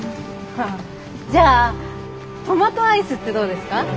じゃあトマトアイスってどうですか？